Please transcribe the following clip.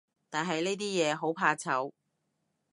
但係呢啲嘢，好怕醜